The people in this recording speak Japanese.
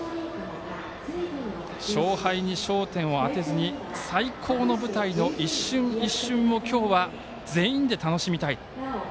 勝敗に焦点を当てずに最高の舞台の一瞬一瞬を今日は全員で楽しみたい。